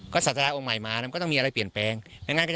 ก็ศาสดาองค์ใหม่มามันก็ต้องมีอะไรเปลี่ยนแปลง